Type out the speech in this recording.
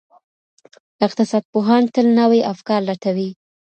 اقتصاد پوهان تل نوي افکار لټوي.